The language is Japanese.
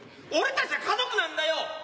俺たちゃ家族なんだよ。